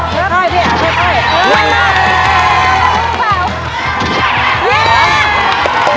อย่างนั้นเลย